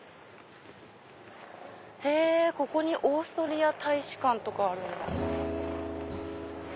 へぇここにオーストリア大使館とかある！